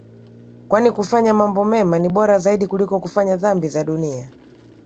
Kwani kufanya mambo mema Ni Bora Zaidi kuliko kufanya dhambi za Dunia